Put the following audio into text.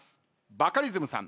バカリズムさん。